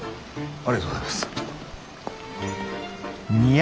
ありがとうございます。